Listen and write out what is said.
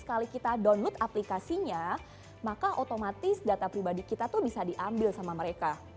sekali kita download aplikasinya maka otomatis data pribadi kita tuh bisa diambil sama mereka